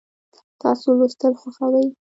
تاسو لوستل خوښوئ؟